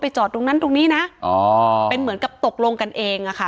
จอดตรงนั้นตรงนี้นะอ๋อเป็นเหมือนกับตกลงกันเองอะค่ะ